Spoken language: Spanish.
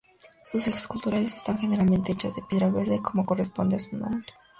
Sus esculturas están generalmente hechas de piedra verde, como corresponde a su nombre.